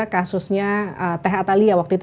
kasusnya teh atalia waktu itu